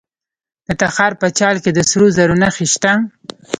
د تخار په چال کې د سرو زرو نښې شته.